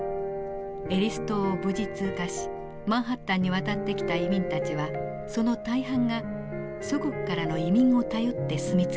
エリス島を無事通過しマンハッタンに渡ってきた移民たちはその大半が祖国からの移民を頼って住み着いていました。